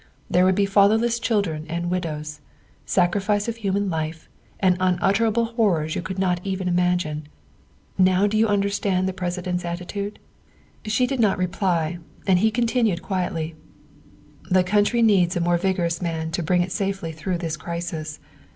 There would be fatherless chil dren and widows, sacrifice of human life, and unutter able horrors you could not even imagine. Now do you understand the President's attitude?" She did not reply, and he continued quietly. The country needs a more vigorous man to bring it safely through this crisis.